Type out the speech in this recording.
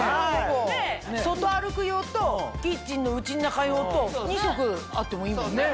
外歩く用とキッチンの家ん中用と２足あってもいいもんね。